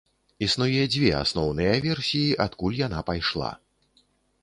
Існуе дзве асноўныя версіі, адкуль яна пайшла.